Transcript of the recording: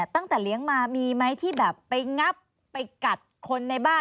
ตั้งแต่เลี้ยงมามีไหมที่แบบไปงับไปกัดคนในบ้าน